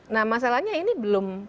nah masalahnya ini belum